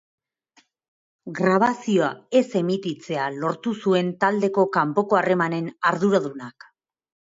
Grabazioa ez emititzea lortu zuen taldeko kanpoko harremanen arduradunak.